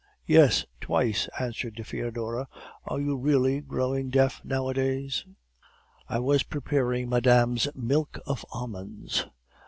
"'Yes, twice,' answered Foedora; 'are you really growing deaf nowadays?' "'I was preparing madame's milk of almonds.